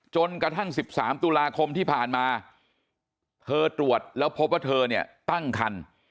จนกระทั่ง๑๓ตุลาคมที่ผ่านมาเธอตรวจแล้วพบว่าเธอเนี่ยตั้งคัน